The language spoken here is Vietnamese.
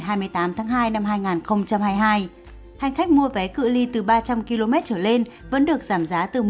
hành khách mua vé cự li từ ba trăm linh km trở lên vẫn được giảm giá từ một mươi một mươi năm